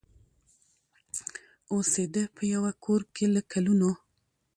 اوسېده په یوه کورکي له کلونو